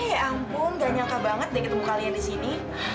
hei ampun gak nyangka banget deh ketemu kalian disini